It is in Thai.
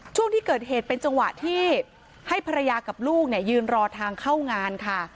ช่วงที่เกิดเหตุเป็นจังหวะที่ให้ภรรยากับลูกเนี่ยยืนรอทางเข้างานค่ะ